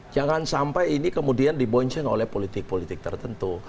jangan sampai ini kemudian dibonceng oleh politik politik tertentu